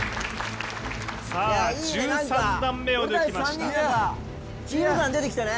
１３段目を抜きました。